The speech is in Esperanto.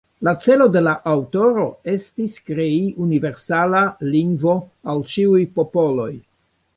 La celo de la aŭtoro estis krei universala lingvo al ĉiuj popoloj.